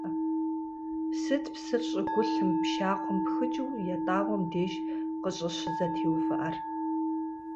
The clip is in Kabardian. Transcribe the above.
Сыт псыр щӀыгулъым, пшахъуэм пхыкӀыу ятӀагъуэм деж къыщӀыщызэтеувыӀэр?